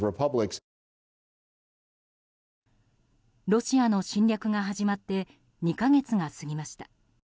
ロシアの侵略が始まって２か月が過ぎました。